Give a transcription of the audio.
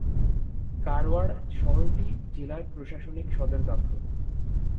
কারওয়াড় শহরটি জেলার প্রশাসনিক সদর দফতর।